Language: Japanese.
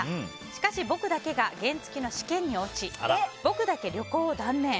しかし、僕だけが原付きの試験に落ち僕だけ旅行を断念。